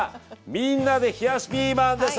みんなで冷やしピーマンです。